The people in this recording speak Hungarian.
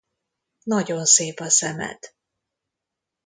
Nagyon szép a szemed.